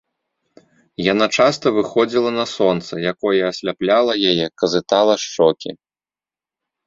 Яна часта выходзіла на сонца, якое асляпляла яе, казытала шчокі.